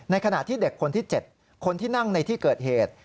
ขณะที่เด็กคนที่๗คนที่นั่งในที่เกิดเหตุ